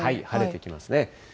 晴れてきますね。